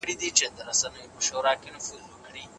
مقايسه په علمي کارونو کي مهمه ده.